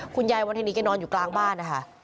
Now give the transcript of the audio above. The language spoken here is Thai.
คุณยายวันธนีแกนอนอยู่กลางบ้านนะคะ